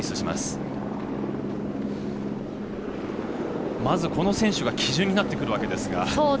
まず、この選手が基準になってくるわけですが。